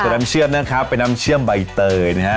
เทวดำเชื่อมเนื่องค่ะเป็นนองเชื่อมใบเตอร์